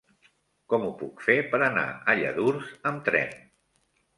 Com ho puc fer per anar a Lladurs amb tren?